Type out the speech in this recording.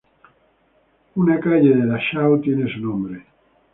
Una calle de Dachau tiene su nombre.